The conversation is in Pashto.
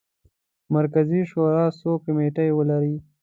مرکزي شورا څو کمیټې ولري.